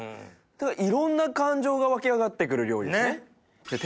いろんな感情が湧き上がってくる料理ですね。